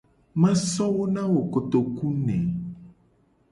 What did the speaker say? Ma so wo na wo kotoku ne.